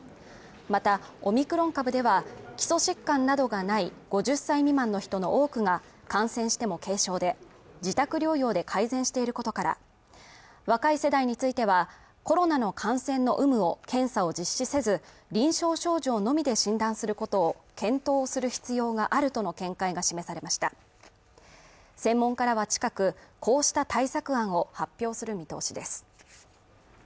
またオミクロン株では基礎疾患などがない５０歳未満の人の多くが感染しても軽症で自宅療養で改善していることから若い世代についてはコロナの感染の有無を検査を実施せず臨床症状のみで診断することを検討する必要があるとの見解が示されました専門家らは近くこうした対策案を発表する見通しです